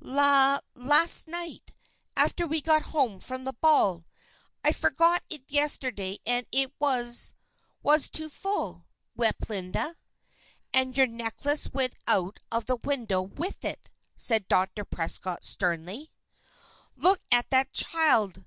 "La last night after we got home from the ball. I forgot it yesterday and it was was too full," wept Linda. "And your necklace went out of the window with it," said Dr. Prescott, sternly. "Look at that child!"